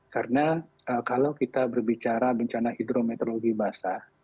karena kalau kita berbicara bencana hidrometeorologi basah